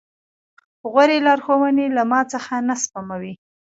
غورې لارښوونې له ما څخه نه سپموي.